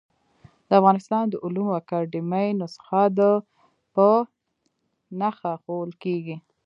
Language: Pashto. د افغانستان د علومو اکاډيمۍ نسخه د ع په نخښه ښوول کېږي.